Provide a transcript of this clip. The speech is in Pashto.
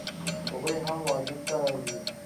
هغوی هم واده ته راځي